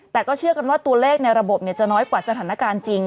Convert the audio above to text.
แต่ก็เชื่อกันว่าตัวเลขในระบบจะน้อยกว่าสถานการณ์จริง